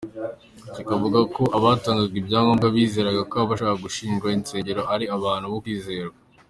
Shyaka avuga ko abatangaga ibyangombwa bizeraga ko abashaka gushinga insengero ari abantu bo kwizerwa.